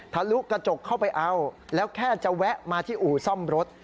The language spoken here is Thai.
ทะลุกระจกเข้าไปเอาแล้วแค่จะแวะมาที่อู่ซ่อมรถ